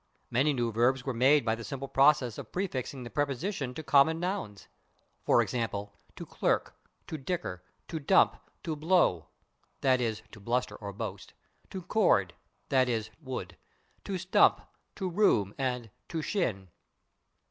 Many new verbs were made by the simple process of prefixing the preposition to common nouns, /e. g./, /to clerk/, /to dicker/, /to dump/, /to blow/, (/i. e./, to bluster or boast), /to cord/ (/i. e./, wood) /to stump/, /to room/ and /to shin